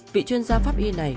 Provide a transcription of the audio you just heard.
vị chuyên gia pháp y này